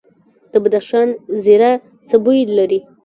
د بدخشان زیره څه بوی لري؟